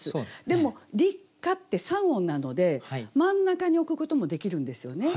でも「立夏」って３音なので真ん中に置くこともできるんですよね。